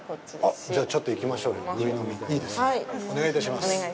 あっ、じゃあ、ちょっといきましょうよ、ぐい呑。